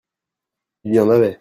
Il y en avait.